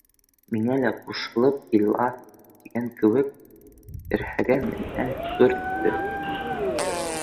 — Миңә лә ҡушылып ила тигән кеүек, терһәге менән төрттө.